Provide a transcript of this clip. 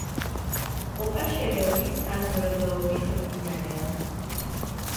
ოკა შერეული საზრდოობის მდინარეა.